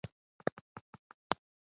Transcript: تا ته حېران شوم وائې زۀ يې له ګردنه نيسم